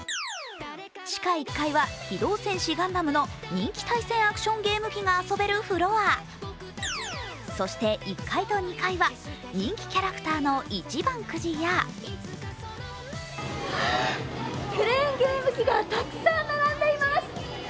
地下１階は「機動戦士ガンダム」の人気対戦アクションゲーム機が遊べるフロアそして１階と２階は人気キャラクターの一番くじやわぁ、クレーンゲーム機がたくさん並んでいます。